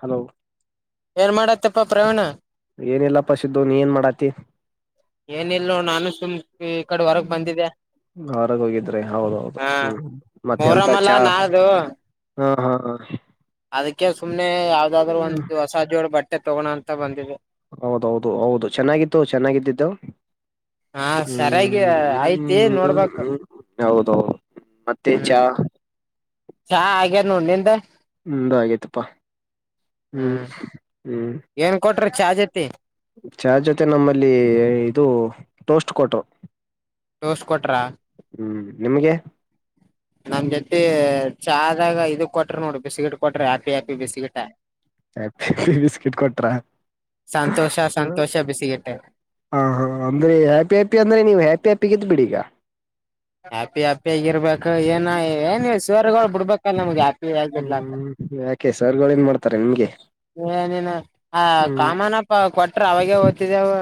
Hello ಏನ್ ಮಾಡ್ಯತ್ತಪ್ಪ ಪ್ರವೀಣ. ಏನಿಲ್ಲಪ್ಪ ಸಿದ್ದು ನೀ ಏನ್ ಮಾಡಾತಿ. ಏನಿಲ್ಲೋಣ ನಾನು ಸುಮ್ ಈ ಕಡ ಹೊರಗ್ ಬಂದಿದ್ಯ. ಹೊರಗ ಹೋಗಿದ್ರೆ ಹೌದೌದು ಹ್ಮ್ ಮತ್ತೆ ಎಂತ ಮೊಹರಂ ಅಲ್ಲ ಚಾ. ನಾಳ್ದು ಹಾ ಹಾ ಹಾ ಅದಕ್ಕೆ ಸುಮ್ನೆ ಯಾವದಾದ್ರು ಒಂದು ಹೊಸ ಜೋಳ ಬಟ್ಟೆ ತೊಗೋಣ ಅಂತ ಬಂದಿದೆ. ಹೌದೌದು ಹೌದು ಚೆನ್ನಾಗಿತ್ತು ಚೆನ್ನಾಗಿದ್ದಿದ್ದವು. ಹಾ ಸರ್ಯಾಗಿ ಆಯ್ತಿ ಹ್ಮ್ ನೋಡ್ಬಕ್. ಹ್ಮ್ ಹೌದೌದು ಮತ್ತೆ ಹ್ಮ್ ಚಾ ಚಾ ಆಗ್ಯದ ನೋಡ್ ನಿಂದ್. ನಂದು ಆಗೈತಪ್ಪಾ ಹ್ಮ್ ಹ್ಮ್. ಏನ್ ಕೊಟ್ರ ಚಾ ಜೊತಿ ಚಾ ಜೊತೆ ನಮ್ಮಲ್ಲಿ ಇದು ಟೋಸ್ಟ್ ಕೊಟ್ಟು. ಟೋಸ್ಟ್ ಕೊಟ್ರ. ನಿಮಗೆ ನಮ್ ಜೊತೆ ಚಾ ದಾಗ ಇದು ಕೊಟ್ರ ನೋಡು ಬಿಸ್ಕಿಟ್ ಕೊಟ್ರ happy happy biscuit. Happy biscuit ಕೊಟ್ರ ಹ. ಸಂತೋಷ ಸಂತೋಷ ಬಿಸಿಗಿಟ ಹ ಹಾ ಅಂದ್ರೆ ಹ್ಯಾಪಿ ಹ್ಯಾಪಿ ಅಂದ್ರೆ ನೀವು ಹ್ಯಾಪಿ ಹ್ಯಾಪಿಗಿದ್ದ ಬಿಡಿ ಈಗ. ಹ್ಯಾಪಿ ಹ್ಯಾಪಿ ಆಗಿರ್ಬೇಕ ಏನ್. ನಾ ಏನ್ ಇವ್ ಸರ್ಗೋಳ ಬುಡ್ಬೇಕಲ್ಲ ನಮಗೆ ಹ್ಯಾಪಿ ಆಗಿ ಇರಲಾಕ್. ಎನ್ ಮಾಡ್ತಾರೆ ನಿಮ್ಗೆ. ಏನಿನ ಆ ಹ್ಮ್ ಕಾಮಾನಪ್ಪ ಕೊಟ್ರ ಅವಾಗೇ ಓತಿದೆವು.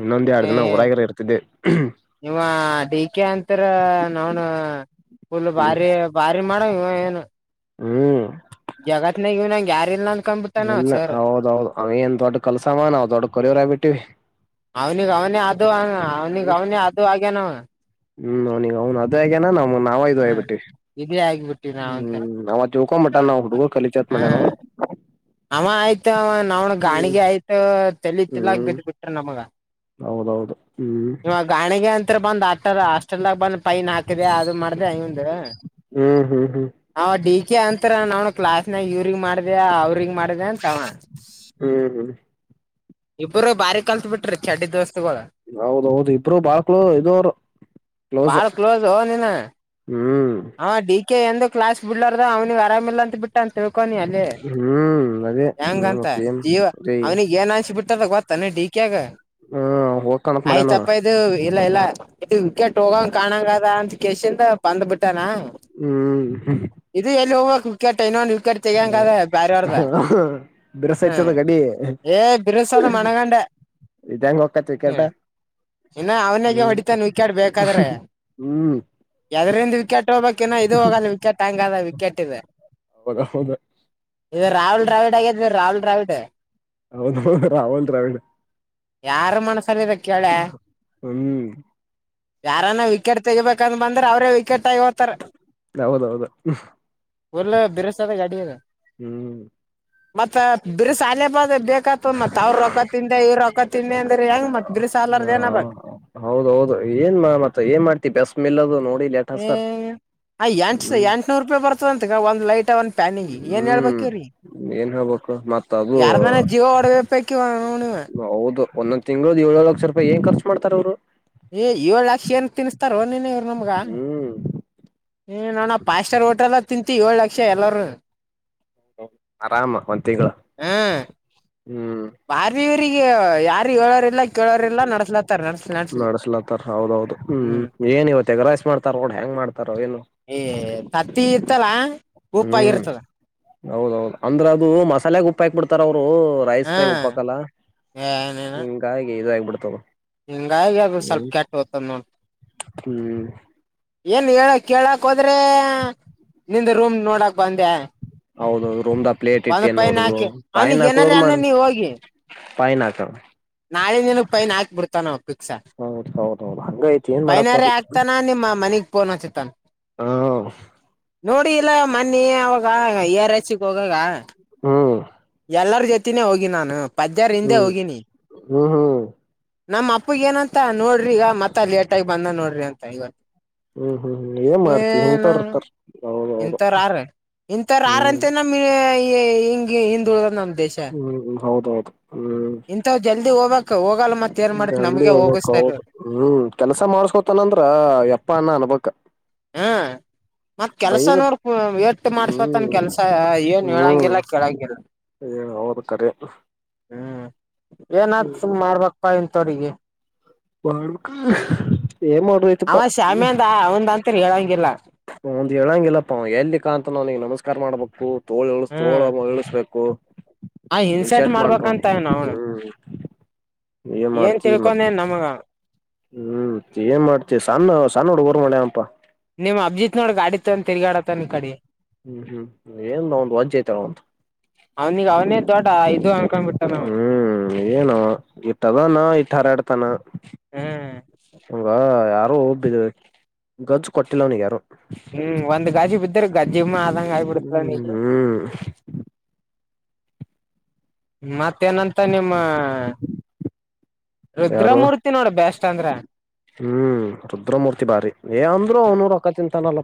ಇನ್ನೊಂದ ಎರಡು ದಿನ ಊರಾಗರೆ ಇರ್ತಿದ್ದೆ. ಇಂವ ಡಿ ಕೆ ಅಂತರ [unintelligible] ಫುಲ್ ಹ್ಮ್ ಭಾರಿ ಭಾರಿ ಮಾಡಂವ ಇಂವ ಎನ. ಹ್ಮ ಜಗತ್ನಾಗ ಇನ್ವಂಗ ಯಾರಿಲ್ ನೋಡ್ ಇಲ್ಲ ಹೌದೌದು ಅಂವ ಏನ್ ದೊಡ್ಡ ಕಲ್ಸವ ನಾವ್ ದೊಡ್ ಕೊರಿವೋರ್ ಆಗ್ಬಿಟ್ಟಿವಿ. ಅವನಿಗ್ ಅವನೆ ಅದು ಅ ಅವ್ನಿಗ ಅವನೆ ಅದು ಆಗ್ಯನ ಅಂವ. ಹ್ಮ್ ಅವ್ನಿಗ ಅವ್ನು ಅದೆ ಆಗ್ಯನ ನಮಗ ನಾವ ಇದು ಹ್ಮ್ ಆಗ್ಬಿಟ್ಟಿವಿ ಇದೇ ಆಗಿಬಿಟ್ಟಿವಿ ನಾವಂತ ಹ್ಮ ನಾ ತಿಳಕೊಂಡ ಬಿಟ್ಟನ್ ನಾವು ಹುಡುಗುರು ಕಲಿಚೆತ್ ಮಾಡ್ಯನ ಅಂವ. ಅಂವ ಆಯ್ತ ಅಂವ ನಾವನ್ ಗಾಣಗ್ಯ ಆಯ್ತ ತೇಲಿ ತೀಲಗತ್ತ್ ಬಿಟ್ಟನ್ ನಮಗ. ಹೌದು ಹ್ಮ್ ಇತ್ರ ಬಂದ ಆಟರ ಹಾಸ್ಟೆಲ್ದಾಗ್ ಬಂದ್ ಫೈನ್ ಹ ಅದು ಮಾಡ್ದ ಇವಂದು ಹ್ಮ್ ಹ್ಮ್ ಹ್ಮ್ ಆ ಡಿ ಕ ಕ್ಯ ಅಂತರ ನಾವ ಕ್ಲಾಸ್ನಾಗ ಇವ್ರಗ್ ಮಾಡಿದೆ ಅವ್ರಗ್ ಮಾಡಿದೆ ಅಂತ ಅವ. ಹ್ಮ್ ಹ್ಮ್. ಇಬ್ಬರು ಬಾರಿ ಕಲ್ತ್ ಬಿಟ್ರಿ ಚಡ್ಡಿ ದೋಸ್ತ್ ಸ್ತಗೋಳ ಹೌದೌದು ಇಬ್ರು ಬಾಳ ಕ್ಲೋ ಇದು ಅವರು ಕ್ಲೋಸ್ ಬಾಳ ಕ್ಲೋಜ ಹ ನೀನ. ಹ್ಮ್ ಹಾ ಡಿ ಕೆ ಎಂದ ಕ್ಲಾಸ್ ಬಿಡ್ಲಾರ್ದ ಅವ್ನಿಗೆ ಆರಾಮಿಲ್ಲ ಅಂತ ಬಿಟ್ಟ ಅಂತ ಹೇಳ ಹಕನಿ ಅಲ್ಲಿ ಹ್ಮ್ ಅದೇ ಹೆಂಗಂತ ಮತ್ತೇನ್ ಜೀವ ಅದೇ ಅವ್ನಿಗೆ ಏನ್ ಅನ್ಸಬಿಟ್ ಬಿಟ್ಟದ ಗೊತ್ತ ಏನ್ ಡಿ ಕ್ಯಾಗ್. ಹ್ಮ್ ಹೋಕಾಣತ್ ಮಾಡ್ಯನು. ಇಲ್ಲ ಇಲ್ಲ ಇ ವಿಕೆಟ್ ಹೋಗಂಗ್ ಕಾಣಾಂಗದಾ ಅಂತ ಕಸಿಂದ ಬಂದ್ ಬಿಟ್ಟಾನ. ಹ್ಮ್. [inaudible] ಕಡೆ ತೆಗನ್ ಕದ ಭಾರಿ ಅವರ್ದ ಹ್ಮ ಬಿರ್ಸೈತದ ಗಡಿ ಏ ಬಿರುಸ ಅದ ಮಣಗಂಡ. ಇದಂಗಗೆ ಒಕ್ಕತ್ರಿ ಕೆೇಟ. ಇನ್ನು ಅವನಾಗ ಹೊಡಿತಾನ ವಿಕ್ಯಾಡ್ ಬೇಕಾದ್ರೆ ಹ್ಮ್ ಎದರಿಂದ ವಿಕ್ಯಾ ಹೋಗಬೇಕ ಇದು ಹೋಗಲ್ಲ ವಿಕೆಟ್. ಹಂಗದ ವಿಕೆಟ್ ಇದು [unintelligible] ಇದು ರಾಹೂಲ್ ಡ್ರಾವಿಡ್ ಆಗಿದ್ ರಾಹೂಲ್ ಡ್ರಾವಿಡ್. ಹೌದೌದು ರಾಹುಲ್ ದ್ರಾವಿಡ್. ಯಾರ ಮನಸಲ್ಲಿದೆ ಕೇಳೆ ಹ್ಮ್ ಯಾರನ್ನ ವಿಕೆಟ್ ತೆಗಿಬೇಕ. ಹಾಕಂದ್ ಬಂದ್ರ ಅವ್ರೇ ವಿಕೆಟ್ ಆಗಿ ಹೊಕ್ಕರ. ಹೌದೌದು ಇಲ್ಲ ಬಿರ್ಸ ಅದ ಗಾಡಿ ಅದು. ಹ್ಮ್ ಮತ್ತತ್ ಆಗ್ಲೇ ಬಾದ ಬೇಕತದ ಮತ್ತತ್ ಅವ್ರ ರೊಕ್ಕ ತಿಿಂದೆ ಇವ್ ರೊಕ್ಕತಿಂದೆ ಅಂದ್ರೆ ಹೆಂಗ ಮತ್ ಬಿರುಸ ಆಲಾರ್ದ ಹ ಏನಬೇಕ ಹೌದ ಹೌದು ಏನ್ ಮತ್ತ ಏನ್ ಮಾಡ್ತಿವಿ ಬಸ್ ಮಿಲ್ಲದು ನೋಡಿ ಹಞ ಲೇಟಸ್ ಸರ್ ಹ ಆಂ ಎಂಟು ಸ ಹ್ಮ್ ಎಂಟುನೂರು ರೂಪಾಯಿ ಬರ್ತದಂತಗ ಒಂದು ಲೈಟ್ ಮತ್ತೆ ಒಂದ್ ಪ್ಯಾನಿಗೆ ಏನ್ ಹೇಳ್ಬೇಕಿರರಿ. ಹ್ಮ್ ಏನ್ ಹೇಳ್ಬೇಕು ಮತ್ತ ಅದು ಜೀವ ಹೊಡಬೇಕಿ ನೀವ ಹೌದು. ಒಂದೊಂದ ತಿಂಗಳದ ಏಳ ಲಕ್ಷ ರೂಪಾಯಿ ಏನ ಖರ್ಚ ಮಾಡ್ತಾರ ಅವರು. ಏ ಏಳ್ ಲಕ್ಷ ಏನ್ ತಿನ್ಸತಾರ ನೀನ್ ಇವರು ನಮಗ. ಹ್ಮ್ ಹ್ಞ ನೋು ಪಫ್ ಸ್ಟಾರ್ ಓಟೆಲ್ಲ ತಿಂತೀು ಏಳು ಲಕ್ಷ ಎಲ್ಲರು. ಆರಾಮ ಒಂದ್ ತಿಂಗಳು ಹ್ಮ ಹ್ಮ್. ಬಾರಿ ಇವ್ರಿಗೆ ಯಾರು ಹೇಳೋರಿಲ್ಲ. ಕೇಳೋರಿಲ್ಲ ನಡ್ಸ್ಲತ್ತಾರ ನಡ್ಸ್ ನಡ್ಸ್ಲಿ ನಡ್ಸ್ಲತ್ತಾರ ಹೌದೌದು ಹ್ಮ್ ಏನ ಇವ ತೆಗರಾಯಸ್ ಮಾಡ್ತಾರ ಕೂಡ ಹೆಂಗ. [unintelligible] ಏ ತತ್ತಿ ಇರ್ತಲ ಉಪ್ಪಾಗಿರ್ತದ. ಹೌದೌದ ಅಂದ್ರೆ ಅದು ಮಸಾಲೆ ಗುಪ್ಪ ಹಾಕ್ ಬಿಡ್ತಾರ ಅವ್ರು. ರೈಸ್ ಹಾ ದಾಗ ಉಪ್ಪಾಕಲ್ಲ ಹ ಹಿಂಗಾಗಿ ಇದಾಗಬಿಡ್ತಾವ. ಹಿಂಗ ಆಗಿ ಅದ ಸ್ವಲ್ಪ ಕೆಟ್ಟ ತದ ನೋಡಿ. ಹ್ಮ್ ಏನ್ ಹೇಳ ಕೇಳಕ್ ಹೋದ್ರ. ನಿಂದ ರೂಮ್ ನೋಡಕ್ ಬಂದೆ. ಹೌದೌದು ರೂಮ್್ದ ಪ್ಲೇಟ್ ಬಂದ ಇಟ್ಟು ಏನ್ ಪೈನ್ ನೋಡುದು ಹಾಕಿ ಅವನಿಗ್ ಬಾಯನ್ ಏನಾರ ಹಾಕುದದು ಮಾಡ. ಅನ್ನು ನೀ ಹೋಗಿ [unintelligible] ನಾಳೆ ಇಂದನು ಪೈನ್ ಹಾಕ್ ಬಿಡ್ತಾನಾವು ಪಿಕ್ಸಾ. ಹೌದ ಹೌದೌದು ಹಂಗ ಐತಿ ಏನ್ ಮಾಡಕ್ ಪೈನರಿ ಬರ್ಲಿ ಆಗ್ತಾನ ನಿಮ್ಮ ಮನಿಗೆ ಪೋನ ಹಚ್ಚತನ್. ಹಾ. ನೋಡಿ ಇಲ್ಲ ಮನ್ನಿ ಅವಾಗ ಈ ಆರ ಈಸಿಗ ಹೋಗಾಗ. ಹ್ಮ್ ಎಲ್ಲರ ಜೊತಿನೇ ಹೋಗಿ ನಾನು ಪದ್ಯರ ಹಿಂದೆ ಹ್ಮ್ ಹ್ಮ್ ಹೋಗಿನಿ. ಹ್ಮ್ ನಮ್ಮ ಅಪ್ಪಗ ಏನಂತ ನೋಡ್ರಿ ಈಗ ಮತ್ತೆ ಲೇಟ ಆಗಿ ಬಂದ ನೋಡ್ರಿ ಅಂತ ಇವತ್ತು. ಹ್ಮ್ ಹ್ಮ್ ಹ್ಮ ಏನ್ ಮಾಡ್ತಿ ಹಿಂತಾರ ಇರ್ತಾರ. ಹೌದೌದು ಇಥರ ಆರ ಇಂಥರ ಆರ ಹ್ಮ್ ಅಂತೆ ನಮ ಹಿಂಗ ಹಿಂದ ಉಳದ ನಮ ಹ್ಮ್ ಹೌದೌತು ಇಂತಥವ್ ಜಲ್ದಿ ಹೋಗ್ಬೇಕಕ್ ಹೋಗಲ್ ಜಲ್ಿ ಹೋಗ್ಕ್ ಹೌದು ಹ್ಮ್ ಕೆಲ್ಸ ಮಾಡ್ಸ್ಕೊತನಂದ್ರ ಎಪ್ಪ ಅಣ್ಣ ಅನ್ಬಕ್ ಹ್ಮ ಮತ್ ಬೈದ ಕೆಲ್ಸನೋರ್ ವೇಟ್ ಮಾಡಸತ್ನ್ ಹ್ಮ್ ಕೆಲ್ಸ ಏನ್ ಹೇಳಂಗಿಲ್ಲ ಕೇಳಂಗಿಲ್ಲ ಏ ಅವದ ಕರೆ ಏನಾದ ಸು್ ಮಾಡ್ಬೇಕಕ್ಪ್ಪ ಇ ತೋರಿಗೆ ಮಾಡಬೇಕ ಏನ್ ಅವ ಮಾಡ್ರಯತಪ್ಪಾ ಶಾಮ್ಯಂದ ಅವಂದಂತ್ರ ಹೇಳಂಗಿಲ್ಲ ಒಂದ್ ಹೇಳಂಗಿಲ್ಲಪ್ಪಾ ಎಲ್ಲಿಿಕಾ ಅಂತ ನಾವ್ನಿಗೆ ನಮಸ್ಕಾರ ಮಾಡ್ಬೇಕು ತೋಳ ಎಳ ಹ್ಮ್ ತೋಳ ಇಳಿಸ್ಬೇಕು ಆ ಹನ್ಸೆಟ್ ಇನ್ಶರ್ಟ್ ಮಾಡ್ಕೊ ಮಾಡ್ಬೇಕಂತ ನ ಅವಣ ಹ್ಮ್ ಏನ್ ಮಾಡ್ತಿ ಮತ್ ತಿಳ್ಕೊೊಂಡೇನ್ ನಮಗ ಹ್ಮ್ ಏನ್ ಮಾಡ್ತಿವಿ ಸಣ್ಣ ಸಣ್ಣ ಹಡು ಊರ್ ಮಾಡ್ಯನಪ್ಪಾ ನ ಕಡೆ ಹ್ಮ್ ಹ್ಮ್ ಏನ್ ಒಂದು್ ವಜ್ೆ ಆಐತಾರ ಒಂದು ಹದು ಹ್ಮ್ -ಏನು ಇತ್ತ ತಗೋನೋ ಈತ ಹಾರಾಡ್ತಾನ ಹ್ಮ್ ಹಂಗ ಯಾರು ಬ ಗಜ್ಜು ಕೊಟ್ಟಿಲ್ಲ ಅವನಿಗೆ ಯಾರು ಹ್ಮ್ ಒಂದ್ ಗಜಿ ಬಿದ್ದ್ರ ಗಜ್ಜಿಮ್ಮ ಆದಂಗ ಆಗಬಿಡ್ತದ ನೀ ಹ್ಮ್ ಮತ್ತೇನಂತ ನಿಮ್ಮ ಯಾರು ರುದ್ರಮೂರ್ತಿ ನೋಡ್ರಿ ಬಸ್ಟ್ ಅಂದ್ರ ಹ್ಮ್ ರುದ್ರಮೂರ್ತಿ ಭಾರಿ ಏ ಅಂದ್ರು ಅವನುೂರು ರೊಕ್ಕ ತಿಂತಾನಲ್ಲ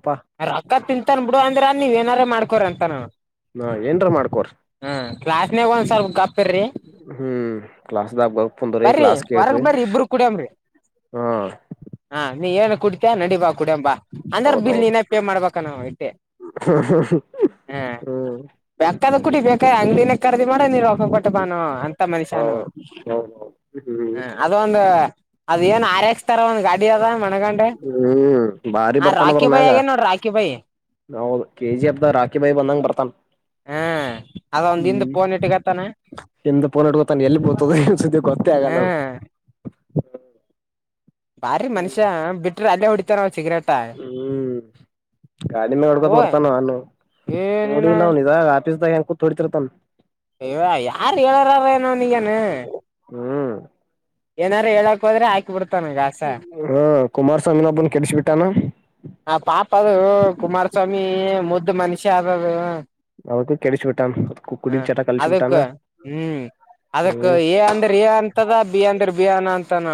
ರೊಕ್ಕ ತಿಂತನ್ ಬಿಡು ಅಂದ್ರ ನೀವ್ ಏನಾರ ಮಾಡ್ಕೋರ ಅಂತಾನ ಂಟ ಮಾಡ್ಕೋ ಕ್ಾಸ್ಾಗ ಒಂದ್ರ್ ಹ್ಮ್ ಕ್ಲಾಸ್್ದಾಗ ಬರ್ ಬಂದ್ರಿ ಬರ್ರಿ ಕ್ಲಾಸ್ ಹೊರಗ್ ಕೇಳ್ರಿ ಬರ್ರಿ ಇಬ್ರು ಕುಡಿಯಮ್ರಿ ಹಾ ಹಾ ನೀ ಏನ್ ಕುಡಿತಿಯ ನಡಿ ಬಾ ಕುಡ್ಯಂಬಾ ಅಂದ್ರ ಬಿಲ್ ಹೌದೌದು ನೀನ ೇ ಮಾಡ್ಬೇಕ ನಾವು ಐಟ್ಟೇ ಹ್ಮ ಬೇಕದ ಕುಟಿ ಬೇಕ ಅಂಗ್ಿನ ಕರದಿ ಮಾಡ್ರ ನೀ ಒಕಬಟ್ಟ ಬಾನು ಅಂತ ಮನ್ಷ್ಯಾನ ಹೌದೌದು ಹ್ಮ್ ಹ್ಮ ಅದ ಒಂದು ಅದ್ ಏನ್ ಆರಕ್ಸ್ತಾರ ಒಂದ್ ಗಾಡಿ ಅದ ಮಣಗಂಡೆ ಹ್ಮ್ ಬಾರಿ ಆ ಬರ್ತಾನದ್ರ ರಾಕಿ ಬಾಯಿ ಮ್ಯಾಗ ಆಗೇನ್ ನೋಡ್ರಿ ರಾಕಿ ಬಾಯಿ ನಾೌದು ಕೆ ಜಿ ಅಬ್ದಾ ರಾಕಿಬಾಯಿ ಬಂದಂಗ ಬರ್ತನ್ ಹ್ಮ ಅದ ಒಂದ ಹಿಂದ ಪೋನ ಇಟ್ಟಗತಾನ ಎಿಂದ ಪೋನಡ್ಕೊತಾನ ಎಲ್ಲಿ ಬೊತದ ಇನ್ ಸತಿ ಗೊತ್ತೇ ಆಗಲ್ಲ ಹಾ ಅದು ಬಾರಿ ಮನುಷ್ಯ ಬಿಟ್ರ ಅಲ್ಲೇ ಹೊಡಿತಾರ ನ ಸಿಗರೇಟ ಗಾಡಿಿ ಮಾಗ ಹೊಡ್ಕೋತ್ ಓ ಬರ್ತಾನ ಅವಾನನು ಏನಿನ ನೋಡಿಲ್ಲ ಅವ್ನ್ ಇದಾಗ ಆಫೀಸ್್ದಾಗ ೋ ತರ ತ ಅ್ಯ ಯಾರ್ ಹೇಳಾರಾರ ನನಗನೆ ಹ್ಮ್ ಏನಾರರು ಹೇಳಾ ಹೋದ್ರ ಹಾಕಿ ಬಿಡ್ತ ಹಾ ಕುಮಾರಸ್ವಾಮಿನೊಬ್ಬನ್ ಕೆಡಸ ಬಿಟ್ಟಾನ ಆ ಪಾಪ ಅದು ಕುಮಾರಸ್ವಾಮಿ ಮುದ್ದ ಮನುಷ್ಯ ಆದದು ಅವಕ ಕೆಡಚು ಬಿಟ್ಟಾನ ಕುಡ ಚಟಾ ಕಳಿಸಿು ಬಿಟ್ಟಾನ ಅದಕ್ಕ ಎಏ ಅಂದ್ರೆ ಎ ಅಂತದ ಬಿ ಅಂದ್ರೆ ಬಿ ಅನಾ ಅಂತಾನ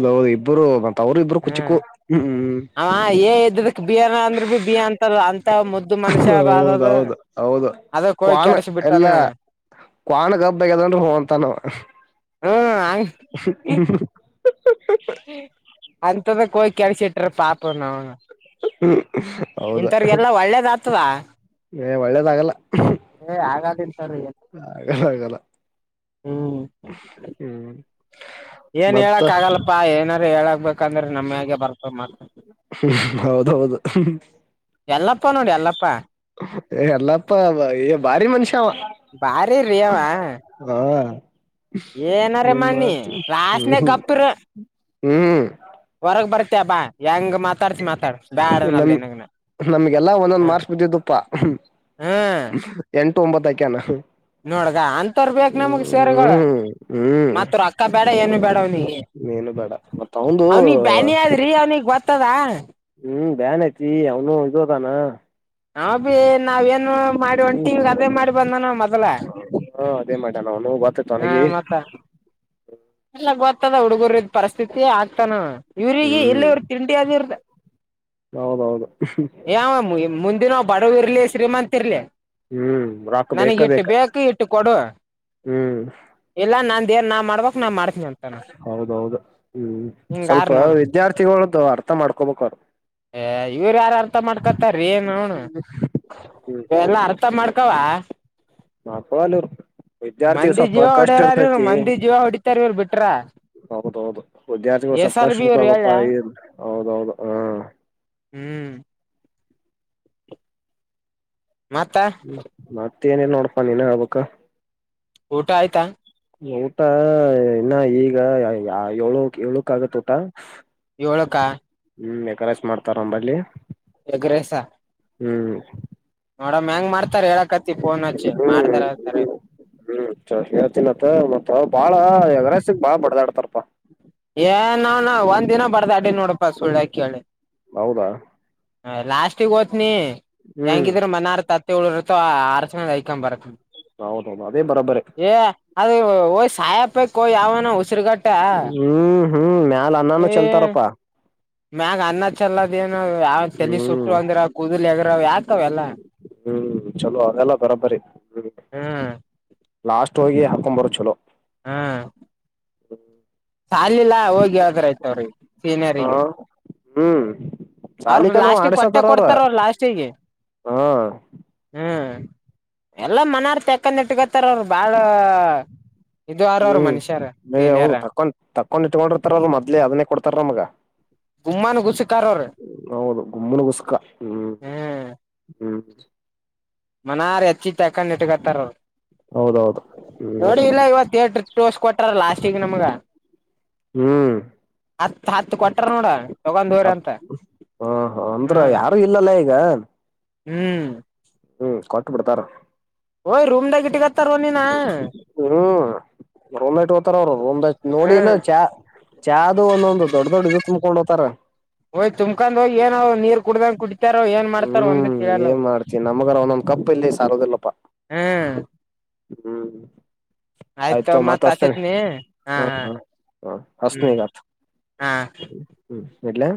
ಹೌದು ಇಬ್ಬರು ಅವರು ಇಬ್ರು ಹ್ಮ್ ಕುಚಕ್ಕೂ ಹ್ಮ್ ಅವ ಎ ಇದ್ದದಕ್ ಬಿ ಅನ ಅಂದ್ರ ಬಿ ಬಿ ಅಂತದ ಅಂತ ಮುದ್ದು ಮನುಷ್ಯ ಅದದು ಹೌದೌದು ಹೌದು ಅದಕ್ ಹೋಗಿ ಕ್ನ್ ಕೆಡಸ ಬಿಟ್ಟಾನ ಎಲ್ಲಾ ಇವ ಕ್ವನ್ ಕಬ್ಗದನ್ ಹಂತ ನಾವ ಹ್ಮ್ ಅಂತದ ಕಯಿ ಕೆಳಸಟ್ರ ಪಾಪ ನ ಅವ [unintelligible] ಹೌದಾ ಒಳ್ಳೇದ ಆತದ ಒಳ್ಳೇದಾಗಲ್ಲ. ಏ ಹಾಗಾದಿಲ್ಲ ತರಿ. ಆಗಲ್ಲ ಆಗಲ್ಲ. ಹ್ಮ್. ಹ್ಮ್ ಏನ್ ಮತ್ತ ಹೇಳಕ ಆಗಲ್ಲಪ್ಪ ಏನಾದಾರು ಹೇಳಬೇಕು ಅಂದ್ರ ನಮ್ಮ್ಯಾಗೆ ಬರ್ತ ಮತ. ಹ್ಮ ಹೌದೌದು. ಯಲ್ಲಪ್ಪ ನೋಡಿ ಯಲ್ಲಪ್ಪ. ಯಲ್ಲಪ್ಪ ಬಾರಿ ಮನುಷ್ಯಾವ ಬಾರಿ ರೀ ಅವ ಹ್ಮ್ಮ್. ಏನಾರ ನೀನ್ ಮಾಡಿ ಮಾಡ್ತೀ ಕ್ಲಾಸ್ನಾಗ -ಹ್ಮ -ಹ್ಮ್ ಹೊರಗ ಬರತ್ಯ ಬಾ ಹೆಂಗ. ನಮ ನಮ್ಗೆಲ್ಲಾ ಒಂದೊಂದ ಹ ಮಾರ್ಸ್ ಬಿಡಿದ್ವು ಪಾ. ಎಂಟು ಒಂಬತ್ತ ಆಕ್ಯಾನ. ನೋಡ ಗಾ ಅಂತವರ ಬೇಕ ನಮಗ ಸರಗಳು. ಹ್ಮ್ ಮತ್ತ ರೊಕ್ಕ ಬೇಡ ಏನು ಬೇಡ ಅವ್ನಿಗೆ. ನೀನು ಬೇಡ ಮತ್ತ ಅವಂದು ಅವ್ನಿಗೆ ಬ್ಯಾನಿ ಆದ್ರಿ ಅವ್ನಿಗೆ ಗೋತ್ತದ. ಹ್ಮ್ ಬ್ಯಾನಿ ಐತಿ ಅವನು ಇದು ಅದಾನ. ನಾವ ಬಿ ನಾವ ಏನು ಮಾಡಿ ಹ್ಮ ಹೊಂಟಿವಿ ಅದೇ ಮಾಡಿ ಬಂದಾನ ಮೊದ್ಲ. ಹ್ಮ್ ಅದೇ ಮಾಡೇನ ಅವನು ಗೊತ್ತಾದ ಅವನಿಗೆ. ಎಲ್ಲ ಗೊತ್ತದ ಹುಡುಗುರಿದ ಪರಿಸ್ಥಿತಿ ಆಗ್ತಾನ ಅವ. ಇವ್ರಿಗೆ ಇಲ್ಲ ಹ್ಮ್ ಇವರಿಗೆ ತಿಂಡಿ ಆದ ಇವರದ. ಹೌದೌದು ಏ ಅವ ಮುಂದಿನ ಬಡವ ಇರ್ಲಿ ಶ್ರೀಮಂತ ಇರ್ಲಿ. ಹ್ಮ್ ರೊಕ್ಕ ನನಗೆ ಬೇಕ ಇಟ್ಟು ಬೇಕ ಬೇಕು ಇಟ್ಟು ಕೊಡು ಹ್ಮ್ ಇಲ್ಲ ನನ್. ಹೌದೌದು ಹ್ಮ್ ಸ್ವಲ್ಪ ಹಿಂಗಾರ್ ನೋಡ ವಿದ್ಯಾರ್ಥಿಗಳುದು ಅರ್ಥ ಮಾಡ್ಕೋಬೇಕು. ಕೊಡ. ಏ ಇವ್ರ ಯಾರು ಅರ್ಥ ಮಾಡ್ಕೊತಾರಿ ಏ ನೌನ ಎಲ್ಲ ಅರ್ಥ ಮಾಡ್ಕ. ಹೋಕವಾ. ಮಕ್ಕಳು ಅಲ್ಲ ಇವರು. ಮಂದಿ ಜೀವ ಹೊಡ್ಯಾರ ಅವರು ಮಂದಿ ಜೀವ ಹೊಡಿತಾರ ಇವರು ಬಿಟ್ರ. ಹೌದ ಹೌದು ವಿದ್ಯಾರ್ಥಿಗಳು ಸ್ವಲ್ಪ ಎಸಲ್ ಕಷ್ಟ ಬಿ ಇವ್ರು ಹೇಳ ಇರ್ತದಪ್ಪ ಹೌದೌದು ಹ್ಮ್ಮ. ಹ್ಮ್. ಮತ್ತ ಹ್ಮ್ ಮತ್ತ ಏನಿಲ್ಲ ನೋಡ್ಪಾ ನೀನ ಹೇಳಬೇಕು. ಊಟ ಆಯ್ತಾ. ಊಟ ಇನ್ನ ಈಗ ಏಳು ಏಳುಕ ಆಗತ ಊಟ. ಏಳ ಕ. ಕಲಸ ಮಾಡತಾರ ನಂಬಲಿ. Egg rice. ಹ್ಮ್. ನೋಡಮ್ಮ ಹೆಂಗ್ ಮಾಡ್ತಾರ ಹೇಳಕತಿ ಫೋನ್ ಹಚ್ಚಿ ಮಾಡ್ದಾರ ಹೇಳತಾರೆ. ಹ್ಮ್ ಚ ಹೇಳ್ತಿನತ ಮತ್ ಬಾಳ ಎಗ್ ರೈಸ್ ಗೆ ಬಾಳ್ ಬಡದಾಡತರಪ್ಪ. ಏ ನೌನ ಒಂದ ದಿನ ಬಡದಾಡಿನಿ ನೋಡಪಾ ಸುಳ್ಳ ಯಾಕ ಕೇಳಿ. ಹೌದಾ. ಏ ಲಾಸ್ಟಗ್ ಹೋಗ್ತೀನಿ ಹ್ಮ್ ಹೆಂಗಿದ್ರ ಮನಾರ್ ತತಿ ಉಳಿದು ಇರ್ತ ಹರಸಿಕೊಂಡು. ಇನ್ನೊಂದು ಆಯ್ಕೊಂಡು ಬರ್ತನ ಹೌದೌದು ಅದೇ ಬರೋಬರಿ ಏ. ಅದು ಇವು ಹೋಗಿ ಸಾಯಪಕಿ ಯಾವನ ಉಸಿರುಗಟ್ಟ. ಹ್ಮ್ ಹ್ಮ್ ಮ್ಯಾಲ ಅನ್ನಾನ ಏ ಚಲ್ತಾರಪ್ಪಾ. ಮ್ಯಾಗ ಅನ್ನ ಚಲದ ಏನು ಯಾವ ತೇಲಿ ಹ್ಮ್ ಸುಟ್ಟುವ ಅಂದ್ರ ಕೂದಲ್ ಎಗರಾವ್ ಯಾಕ ಅವೆಲ್ಲ. ಹ್ಮ್ ಚಲೋ ಅವೆಲ್ಲ ಬರಾಬರಿ ಹ್ಮ್. ಹ್ಮ್ ಲಾಸ್ಟ್ ಹೋಗಿ ಹಾಕೊಂಡು ಬರೋದು ಚಲೋ. ಹ್ಮ್ಮ್. [unintelligible] ಸಾಲಿಲ್ಲಾ ಹೋಗಿ ಹೆಳ್ದ್ರೆ ಆಯ್ತವ್ರಿಗೆ ಹ ಸೀನಿಯರಿಗೆ ಹ್ಮ್ ಅವರು ಸಾಲಿಕಂದ್ರ ಲಾಸ್ಟಿಗೆ ಕೊಟ್ಟೆ ಮಾಡಸತಾರ ಅವ್ರ ಕೊಡ್ತಾರ ಅವ ಲಾಸ್ಟಿಗೆ ಹ ಹ್ಮ್ ಎಲ್ಲ ಮನೆರ್ ತೆಕೊಂದ್ ಇಟ್ಕೊತ್ತಾರ ಅವರು ಬಾಳ ಇದು ಆರ ಅವರು ಹ್ಮ್ ಮನುಷ್ಯರ ಮ ಹೌದು ಸೀನಿಯರ್ ತಕೊಂಡ್ ತಕೊಂಡ್ ಇಟ್ಕೊಂಡಿರ್ತಾರಲ್ಲ ಮೊದ್ಲೇ ಅದನ್ನೇ ಕೊಡತ್ ತ್ತರ ನಮಗ ಗುಮ್ಮಾನ ಗುಸಕಾರ ಅವರು ಹೌದು ಗುಮ್ಮನಗುಸ್ಕ ಹ್ಮ್ ಹ್ಮ್ ಮನಾರ್ ಹೆಚ್ಚಿ ತಕೊಂಡ್ ಇಟ್ಕತ್ತಾರ ಹೌದೌದು ಹ್ಮ್ ನೋಡಿ ಇಲ್ಲ ಇವಾಗ ಎಟ್ರಿ ತೋರ್ಸ ಕೊಟಾರ ಲಾಸ್ಟಿಗೆ ನಮ್ಗ ಹ್ಮ್ ಹತ್ ಹತ್ ಕೊಟಾರ ನೋಡ್ ಹತ್ ಅಂದ್ರ ಹ್ಮ್ ಯಾರು ಇಲ್ಲಲ್ಲ ಈಗ ಹ್ಮ್ ಹ್ಮ್ ಕೊಟ್ಟ್ ಬಿಡ್ತಾರ ಓಯ್ ರೂಂದಾಗ ಇಟ್ಕಕೊಂತಾರೋ ನಿನ್ನ ಹ್ಮ್ ರೂಮ್ ಇಟ್ ಹೋತಾರ ಅವರು ರೂಮ್ ನೋಡಿ ಇಲ್ಲ ಚಾ ಚಾದು ಒಂದೊಂದು ದೊಡ್ಡ ದೊಡ್ಡ ಇದು ತುಂಬಕೊಂಡು ಹೋಗ್ತಾರ ಹೊಯ್ ತುಂಬಕೊಂಡ್ ಹೋಗಿ ಏನ ನೀರ್ ಕುಡ್ದಂಗ ಕುಡಿತಾರ ಏನ್ ಮಾಡ್ತಾರ ಒಂದು ತಿಳಿಯಲ್ಲ ನಮ್ಗ ಒಂದೊಂದು ಕಪ್ಪ ಇಲ್ಲಿ ಸಾರುದಿಲ್ಲಪ್ಪಾ ಹ್ಮ್ ಹ್ಮ್ ಆಯ್ತ ಆಯ್ತು ಮತ್ ಹಚ್ಚೇತೀನಿ ಹಚ್ಚತ್ನಿ ಹಾ ಹ ಹಾ ಹ ಹಚ್ಚೇತೀನಿ ಹ್ಮ್ ಈಗ ಹಾ ಇಡ್ಲಾ